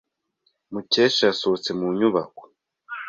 Mukesha yasohotse mu nyubako.